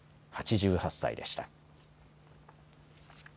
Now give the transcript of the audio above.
８８歳でした。